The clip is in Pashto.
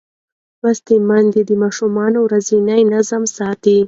لوستې میندې د ماشوم ورځنی نظم ساتي.